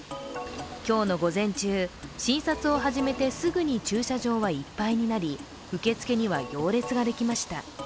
今日の午前中、診察を始めてすぐに駐車場はいっぱいになり受付には行列ができました。